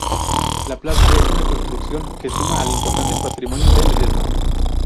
La plaza es una construcción que suma al importante patrimonio de Ledesma.